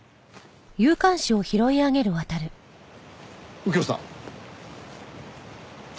右京さん。